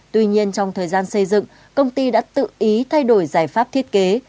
tuy nhiên trong thời gian xây dựng công ty đã tự ý thay đổi giải pháp thiết kế